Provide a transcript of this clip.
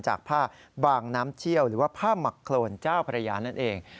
จากผ้าบางน้ำเชี่ยวหรือว่าผ้าหมักโครนเจ้าพระยานั่นเอง